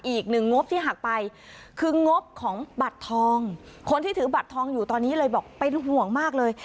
อีกหนึ่งงบที่หักไปคืองบของบัตรทองคนที่ถือบัตรทองอยู่ตอนนี้เลยบอกเป็นห่วงมากเลย